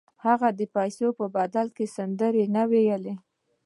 هغه د پیسو په بدل کې سندره ونه ویله